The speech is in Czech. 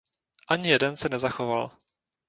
Ani jeden se nezachoval.